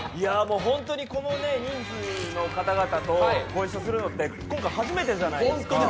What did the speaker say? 本当にこの人数の方々とご一緒するのって今回初めてじゃないですか。